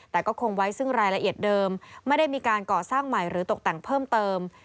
แต่ก็คงไว้ซึ่งรายละเอียดเดิมไม่ได้มีการก่อสร้างใหม่หรือตกแต่งเพิ่มเติม